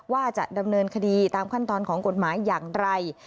ว่าจะดำเนินคดีตามขั้นตอนของกฎหมายอย่างไร